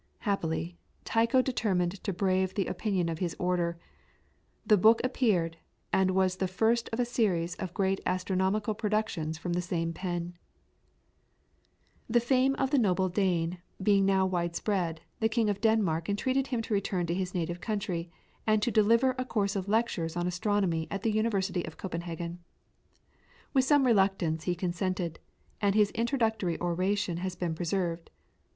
Happily, Tycho determined to brave the opinion of his order; the book appeared, and was the first of a series of great astronomical productions from the same pen. [PLATE: EFFIGY ON TYCHO'S TOMB AT PRAGUE.] The fame of the noble Dane being now widespread, the King of Denmark entreated him to return to his native country, and to deliver a course of lectures on astronomy in the University of Copenhagen. With some reluctance he consented, and his introductory oration has been preserved.